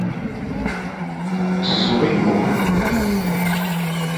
Sukh môr.